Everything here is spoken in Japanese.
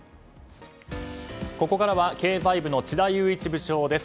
ここからは経済部の智田裕一部長です。